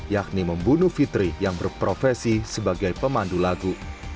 yakni membunuh fitri yang berprofesi sebagai pemandu lagu